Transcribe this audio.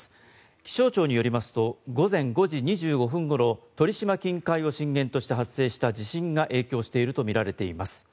気象庁によりますと午前５時２５分頃鳥島近海を震源として発生した地震が影響しているとみられています。